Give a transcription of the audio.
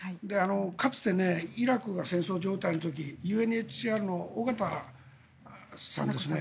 かつて、イラクが戦争状態の時にＵＮＨＣＲの緒方さんですね。